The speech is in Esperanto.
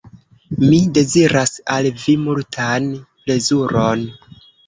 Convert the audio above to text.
Mi deziras al vi multan plezuron.